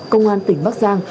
công an tỉnh bắc giang